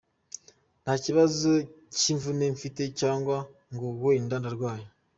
Nta kibazo cy’imvune mfite cyangwa ngo wenda ndarwaye.